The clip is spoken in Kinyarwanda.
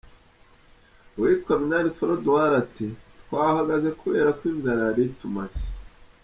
Uwitwa Minani Froduard ati: “Twahagaze kubera ko inzara yari itumaze.